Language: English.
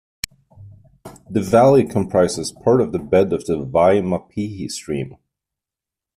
The Valley comprises part of the bed of the Wai-Mapihi Stream.